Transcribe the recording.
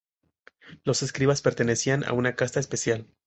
Los escribas pertenecían a una casta especial.